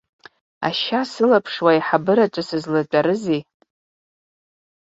Ашьа сылаԥшуа аиҳабыраҿы сызлатәарызеи?